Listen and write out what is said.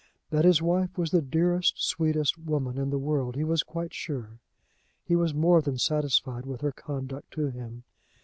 That his wife was the dearest, sweetest woman in the world he was quite sure. He was more than satisfied with her conduct to him.